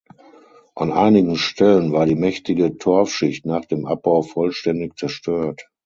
An einigen Stellen war die mächtige Torfschicht nach dem Abbau vollständig zerstört.